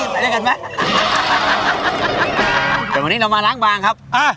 ไปด้วยกันไหมแต่วันนี้เรามาล้างบางครับอ่า